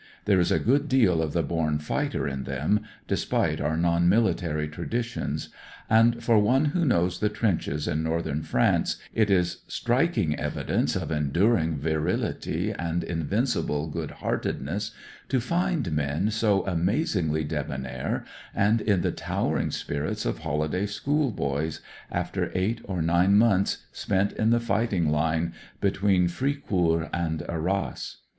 There is a good deal of the bom fighter in them, despite our non military traditions; and, for one who knows the trenches in northern France, it is striking evidence of enduring virility and invincible good heartedness to find men so amazingly debonair, and in the towering spirits of hohday schoolboys, after eight or nine months spent in the fighting Une between Fricourt and Arras.